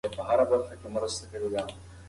ښه روغتیا یو عامل نه لري.